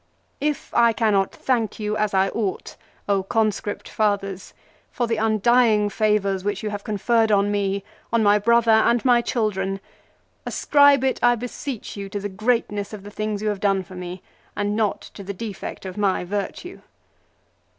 " If I cannot thank you as I ought, Conscript Fathers, for the undying favours which you have conferred on me, on my brother, and my children, ascribe it, I beseech you, to the greatness of the things you have done for me, HIS RETURN FROM EXILE. 9 and not to the defect of my virtue."